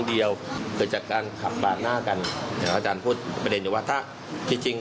เดี๋ยวอาจารย์พูดประเด็นอยู่ว่าถ้าจริง